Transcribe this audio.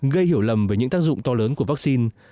gây hiểu lầm về những tác dụng to lớn của vaccine